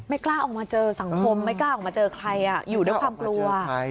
กล้าออกมาเจอสังคมไม่กล้าออกมาเจอใครอยู่ด้วยความกลัว